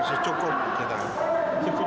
itu masih cukup